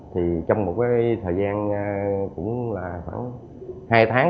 trong một thời gian khoảng hai tháng